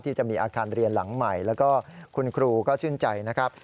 จะมีอาคารเรียนหลังใหม่แล้วก็คุณครูก็ชื่นใจนะครับ